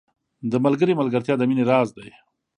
• د ملګري ملګرتیا د مینې راز دی.